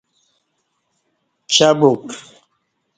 چہ بُعک